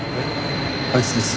あいつです。